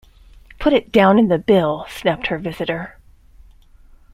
"Put it down in the bill," snapped her visitor.